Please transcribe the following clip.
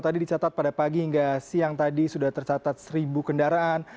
tadi dicatat pada pagi hingga siang tadi sudah tercatat seribu kendaraan